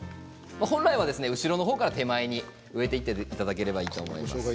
本来は後ろから手前に植えていっていただければいいと思います。